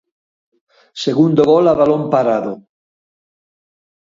Segundo gol a balón parado.